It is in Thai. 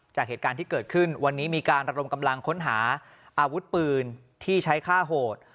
จากเหตุการณ์ที่เกิดขึ้นวันนี้มีการระดมกำลังค้นหาอาวุธปืนที่ใช้ฆ่าโหด